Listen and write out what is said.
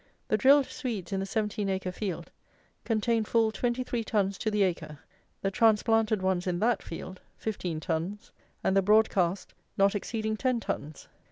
The drilled Swedes in the seventeen acre field, contain full 23 tons to the acre; the transplanted ones in that field, 15 tons, and the broad cast not exceeding 10 tons.